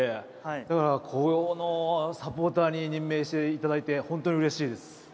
だから、このサポーターに任命していただいて本当にうれしいです。